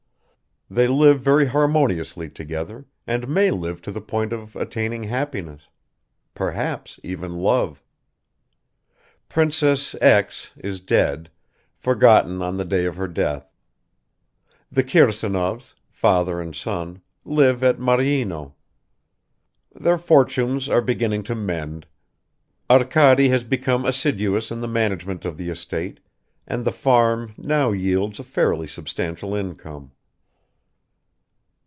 They live very harmoniously together and may live to the point of attaining happiness ... perhaps even love. Princess X. is dead, forgotten on the day of her death. The Kirsanovs, father and son, live at Maryino. Their fortunes are beginning to mend. Arkady has become assiduous in the management of the estate, and the "farm" now yields a fairly substantial income.